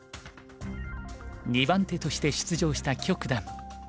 ２番手として出場した許九段。